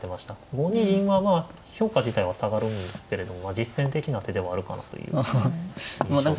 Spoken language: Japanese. ５二銀はまあ評価自体は下がるんですけれども実戦的な手ではあるかなという印象ですね。